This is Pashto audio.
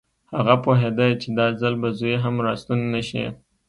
هغه پوهېده چې دا ځل به زوی هم راستون نه شي